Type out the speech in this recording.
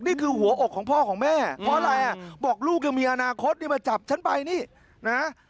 นี่คือหัวอกของพ่อของแม่เพราะอะไรอ่ะบอกลูกยังมีอนาคตนี่มาจับฉันไปนี่นะ